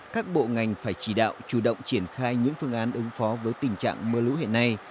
các bộ ngành phải chỉ đạo chủ động triển khai những phương án ứng phó với tình trạng mưa lũ hiện nay